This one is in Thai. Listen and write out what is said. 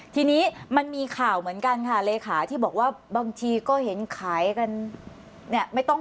ทีนี้มันมีข่าวเหมือนกันค่ะเลขาที่บอกว่าบางทีก็เห็นขายกัน